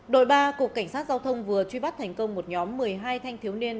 đội ba cục cảnh sát giao thông vừa truy bắt thành công một nhóm một mươi hai thanh thiếu niên